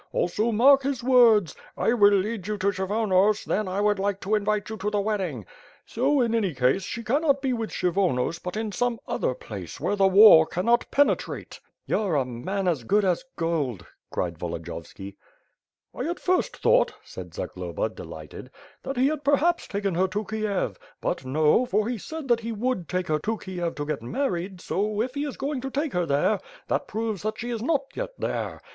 Also mark his words, *I will lead you to Kshyvonos then I would like to invite you to the wedding,' so, in any case, she cannot be with Kshyvonos but in some other place, where the war cannot penetrate." "You're a man as good a« gold," cried Volodiyovski. "I at first thought," said Zagloba, delighted, "that he had perhaps taken her to Kiev — ^but, no, for he said that he would take her to Kiev to get married so if he is going to take her . there, that proves that she is not yet there.